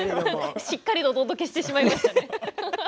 しっかりお届けしてしまいました。